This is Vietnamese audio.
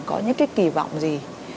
có những cái kỳ vọng gì